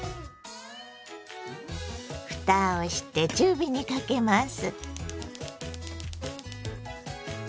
ふたをして中火にかけます。